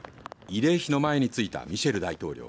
慰霊碑の前に着いたミシェル大統領。